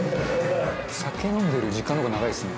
「酒飲んでる時間の方が長いですね」